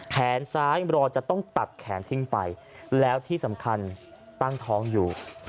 แขนซ้ายรอจะต้องตัดแขนทิ้งไปแล้วที่สำคัญตั้งท้องอยู่